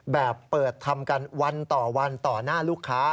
แบบเปิดทำกันวันต่อวันต่อหน้าลูกค้า